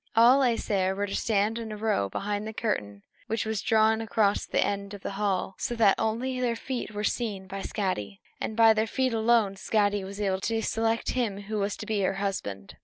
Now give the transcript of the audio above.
All the Æsir were to stand in a row behind the curtain which was drawn across the end of the hall, so that only their feet were seen by Skadi; and by their feet alone Skadi was to select him who was to be her husband.